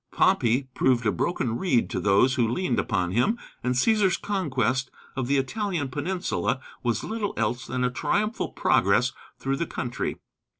Pompey proved a broken reed to those who leaned upon him, and Cæsar's conquest of the Italian peninsula was little else than a triumphal progress through the country.